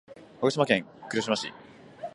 鹿児島県霧島市